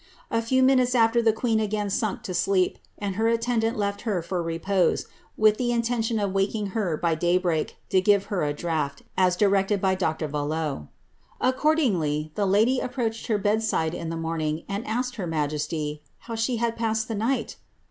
A few minutes afler the queen again sunk to sleep, and her attendant left her for repose, with the intention of awaken iog her by day break, to give her a draught, as directed by Dr. Valot."' •* Accordingly, the lady approached her bed side in the morning, and Mked her majesty' ^ how she had passed the night